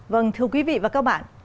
vâng thưa quý vị và các bạn